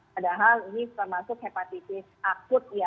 padahal ini termasuk hepatitis akut ya